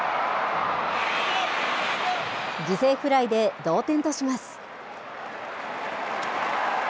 犠牲フライで同点とします。